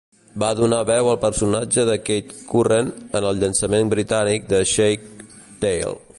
Va donar veu al personatge de Katie Current en el llançament britànic de "Shark Tale".